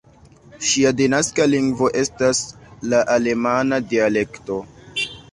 Ŝia denaska lingvo estas la alemana dialekto.